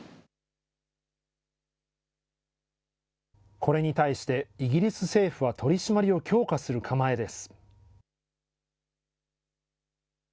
これに対して、イギリス政府は取締りを強化する構えです。